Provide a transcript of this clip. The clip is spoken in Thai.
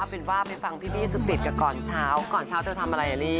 เป็นว่าไปฟังพี่บี้สุกริตกันก่อนเช้าก่อนเช้าเธอทำอะไรอ่ะลี่